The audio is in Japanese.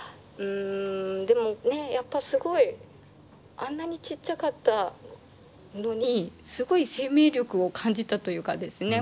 でもねやっぱすごいあんなにちっちゃかったのにすごい生命力を感じたというかですね。